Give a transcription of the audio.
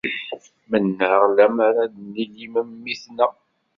Mennaɣ lemmer d ay nli memmi-tneɣ!